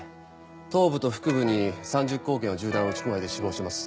頭部と腹部に３０口径の銃弾を撃ち込まれて死亡してます。